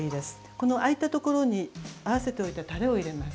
この空いたところに合わせておいたタレを入れます。